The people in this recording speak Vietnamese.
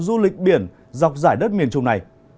du lịch biển dọc giải đất miền trung này